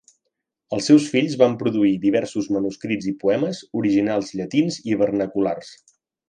Els seus fills van produir diversos manuscrits i poemes originals llatins i vernaculars.